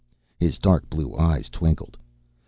His dark blue eyes twinkled.